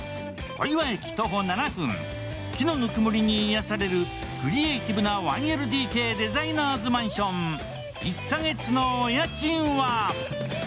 小岩駅徒歩７分、木のぬくもりに癒やされるクリエーティブな１ＬＤＫデザイナーズマンション、お値段は？